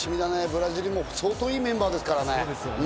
ブラジルも相当いいメンバーですからね。